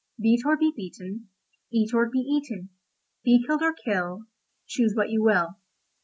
Beat or be beaten, Eat or be eaten, Be killed or kill; Choose which you will."